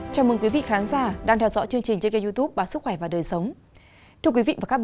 chào mừng quý vị khán giả đang theo dõi chương trình trên kênh youtube báo sức khỏe và đời sống